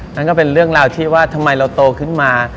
นั่นก็เป็นเรื่องราวที่ว่าทำไมเราโตขึ้นมา